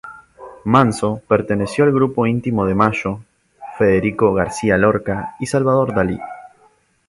Manso perteneció al grupo íntimo de Mallo, Federico García Lorca y Salvador Dalí.